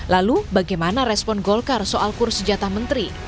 lalu bagaimana respon golkar soal kursi jatah menteri